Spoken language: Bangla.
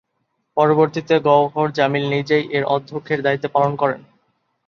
পরবর্তীতে গওহর জামিল নিজেই এর অধ্যক্ষের দায়িত্ব পালন করেন।